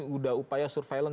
sudah upaya surveillance